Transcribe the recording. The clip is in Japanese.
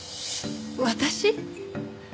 私？